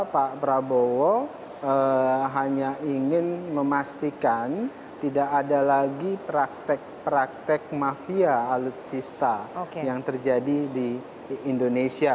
pak prabowo hanya ingin memastikan tidak ada lagi praktek praktek mafia alutsista yang terjadi di indonesia